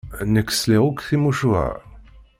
Nekk sliɣ akk timucuha.